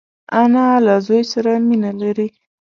انا له زوی سره مینه لري